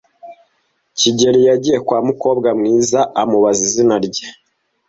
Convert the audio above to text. kigeli yagiye kwa mukobwa mwiza amubaza izina rye.